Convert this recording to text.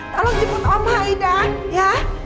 tolong jemput oma aida ya